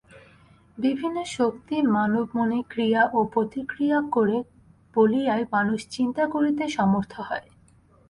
বিভিন্ন শক্তি মানব-মনে ক্রিয়া ও প্রতিক্রিয়া করে বলিয়াই মানুষ চিন্তা করিতে সমর্থ হয়।